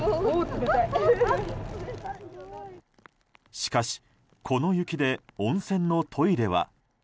しかし、この雪で温泉のトイレは。